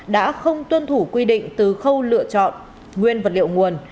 đã không tuân thủ quy định từ khâu lựa chọn nguyên vật liệu nguồn